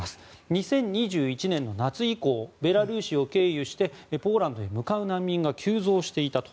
２０２１年の夏以降ベラルーシを経由してポーランドへ向かう難民が急増していたと。